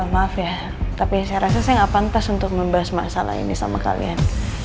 maaf ya tapi saya rasa saya nggak pantas untuk membahas masalah ini sama kalian